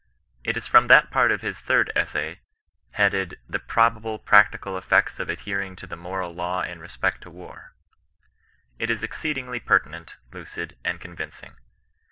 It is from that part of his third Essay, headed, " 27ie probable practical efeds of adhering to the moral law in respect to war" It is exceedingly pertinent, lucid, and convincing.